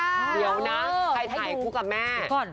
เดี๋ยวนะใครถ่ายคู่กับแม่